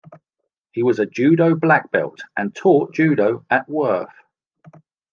He was a judo black belt and taught judo at Worth.